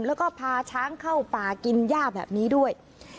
แล้วก็พาช้างเข้าป่ากินย่าแบบนี้ด้วย